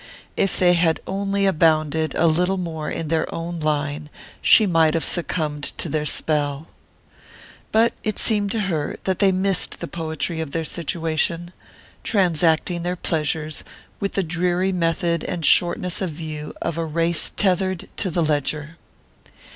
If they had only abounded a little more in their own line she might have succumbed to their spell. But it seemed to her that they missed the poetry of their situation, transacting their pleasures with the dreary method and shortness of view of a race tethered to the ledger.